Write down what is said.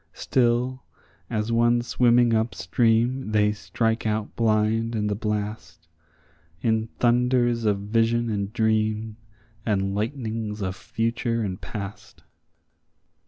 Still, as one swimming up stream, they strike out blind in the blast, In thunders of vision and dream, and lightnings of future and past.